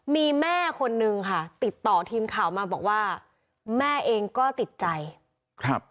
มีแม่คนนึงค่ะติดต่อทีมข่าวมาบอกว่าแม่เองก็ติดใจครับ